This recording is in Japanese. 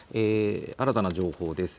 新たな情報です。